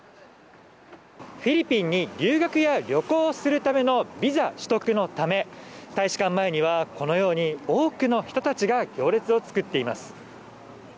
フィリピンに留学や旅行をするためのビザ取得のため、大使館前にはこのように多くの人たちが行列を作っています。